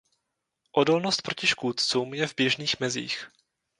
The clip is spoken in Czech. Odolnost proti škůdcům je v běžných mezích.